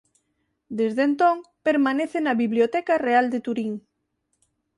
Desde entón permanece na Biblioteca Real de Turín.